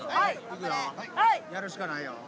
いくよやるしかないよ。